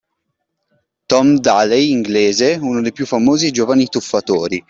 Tom Daley – Inglese: Uno dei più famosi e giovani tuffatori.